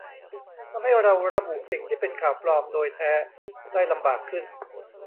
ทำให้เราระบุสิ่งที่เป็นข่าวปลอมโดยแท้ได้ลำบากขึ้น